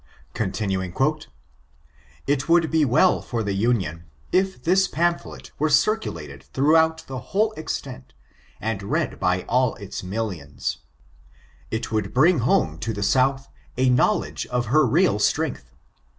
*' It would be well for the Union, if this pamphlet were circulated throughout its whole extent, and read by all its millions. It would bring home to the South a knowledge of her real strength.